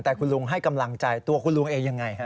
แต่คุณลุงให้กำลังใจตัวคุณลุงเองยังไงฮะ